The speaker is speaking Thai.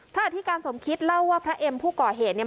อธิการสมคิตเล่าว่าพระเอ็มผู้ก่อเหตุเนี่ย